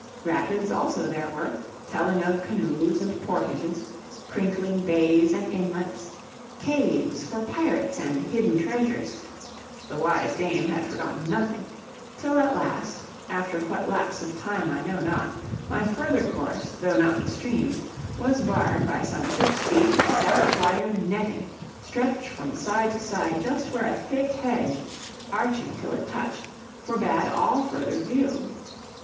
Rapids, also, there were, telling of canoes and portages crinkling bays and inlets caves for pirates and hidden treasures the wise Dame had forgotten nothing till at last, after what lapse of time I know not, my further course, though not the stream's, was barred by some six feet of stout wire netting, stretched from side to side, just where a thick hedge, arching till it touched, forbade all further view.